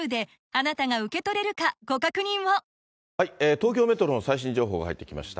東京メトロの最新情報が入ってきました。